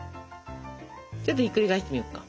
ちょっとひっくり返してみようか。